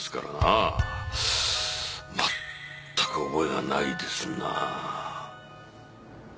まったく覚えがないですなぁ。